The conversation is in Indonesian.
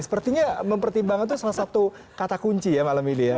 sepertinya mempertimbangkan itu salah satu kata kunci ya malam ini ya